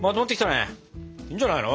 いいんじゃないの？